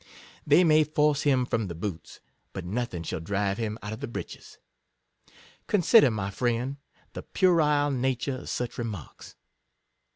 They may force him from the boots — but nothing shall drive him out of the breeches. Consider, my friend, the puerile nature of such remarks.